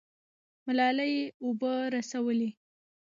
ملالۍ اوبه رسولې.